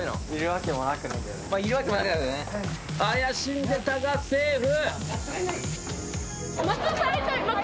怪しんでたがセーフ。